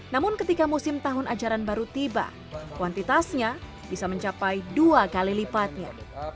namun ketika musim tahun ajaran baru tiba kuantitasnya bisa mencapai dua kali lipatnya